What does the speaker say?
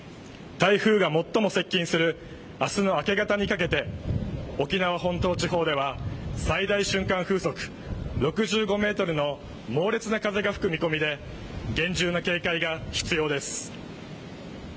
台風が最も接近するあすの明け方にかけて、沖縄本島地方では最大瞬間風速６５メートルの猛烈な風が吹く見込みで、厳重な警戒が必要です。